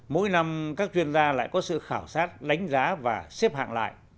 mỗi năm các chuyên gia lại có sự khảo sát đánh giá và xếp hạng lại